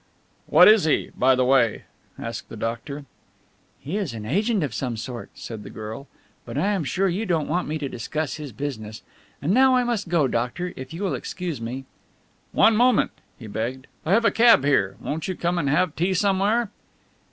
"What is he, by the way?" asked the doctor. "He's an agent of some sort," said the girl, "but I am sure you don't want me to discuss his business. And now I must go, doctor, if you will excuse me." "One moment," he begged. "I have a cab here. Won't you come and have tea somewhere?"